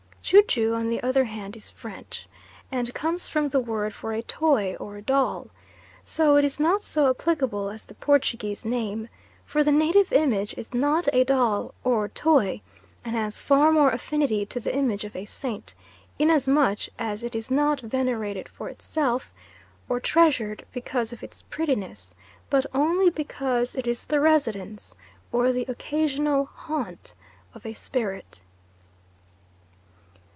Ju ju, on the other hand, is French, and comes from the word for a toy or doll, so it is not so applicable as the Portuguese name, for the native image is not a doll or toy, and has far more affinity to the image of a saint, inasmuch as it is not venerated for itself, or treasured because of its prettiness, but only because it is the residence, or the occasional haunt, of a spirit.